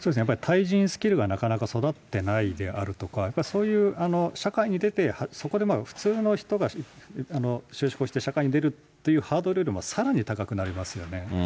対人スキルがなかなか育ってないであるとか、そういう社会に出て、そこで普通の人が就職をして社会に出るというハードルよりも、さらに高くなりますよね。